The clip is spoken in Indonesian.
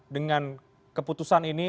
dengan keputusan ini